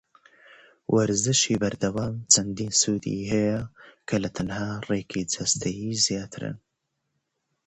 Regular exercise offers a multitude of benefits beyond just physical fitness.